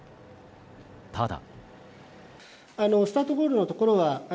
ただ。